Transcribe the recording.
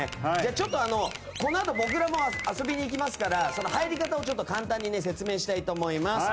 ちょっとこのあと僕らも遊びに行きますから入り方を簡単に説明したいと思います。